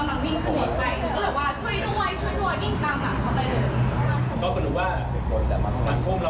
ไม่ฟัง